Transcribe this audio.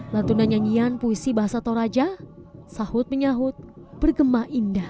lantunan nyanyian puisi bahasa toraja sahut menyahut bergema indah